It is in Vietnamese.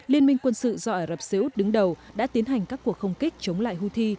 liên minh quân sự do ả rập xê út đứng đầu đã tiến hành các cuộc không kích chống lại houthi